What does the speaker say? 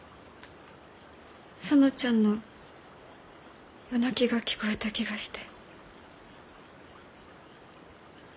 園ちゃんの夜泣きが聞こえた気がして。